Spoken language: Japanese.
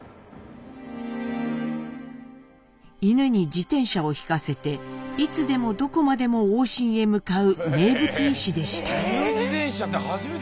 犬に自転車を引かせていつでもどこまでも往診へ向かう名物医師でした。